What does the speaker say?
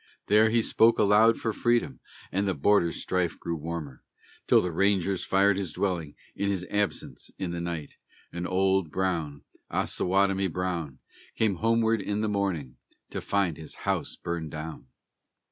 There he spoke aloud for freedom, and the Border strife grew warmer, Till the Rangers fired his dwelling, in his absence, in the night; And Old Brown, Osawatomie Brown, Came homeward in the morning to find his house burned down.